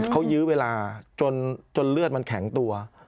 เขายื้อเวลาจนเลือดมันแข็งตัว